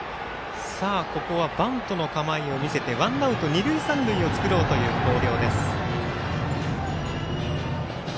バントの構えを見せてワンアウト、二塁三塁を作ろうという広陵。